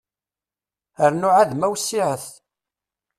Rnu ɛad ma wessiɛet.